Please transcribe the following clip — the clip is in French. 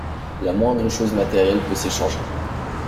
La moindre chose matérielle peut s’échanger.